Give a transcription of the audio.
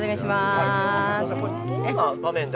どんな場面で？